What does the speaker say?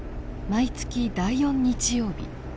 毎月第４日曜日